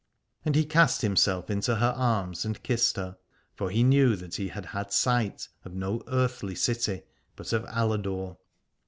And he cast himself into her arms and kissed her: for he knew that he had had sight of no earthly city but of Aladore.